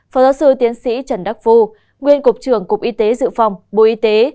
phó giáo sư tiến sĩ trần đắc phu nguyên cục trưởng cục y tế dự phòng bộ y tế